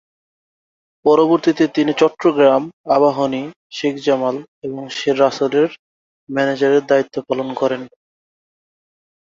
পরবর্তীতে তিনি চট্টগ্রাম আবাহনী, শেখ জামাল এবং শেখ রাসেলের ম্যানেজারের দায়িত্ব পালন করেছেন।